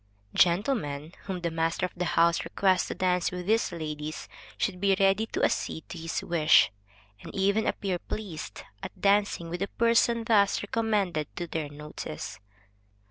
Gentlemen whom the master of the house requests to dance with these ladies, should be ready to accede to his wish, and even appear pleased at dancing with a person thus recommended to their notice.